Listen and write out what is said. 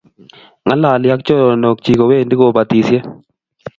Ng'ololi ak choronok chich kowendi kubatisie